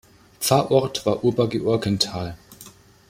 Pfarrort war Ober-Georgenthal.